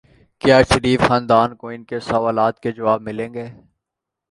کیا شریف خاندان کو ان کے سوالات کے جواب ملیں گے؟